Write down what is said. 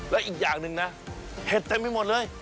แล้วอีกอย่างหนึ่งนะเห็ดเต็มไปหมดเลย